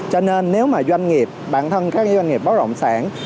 cho nên nếu mà doanh nghiệp bản thân các doanh nghiệp bất động sản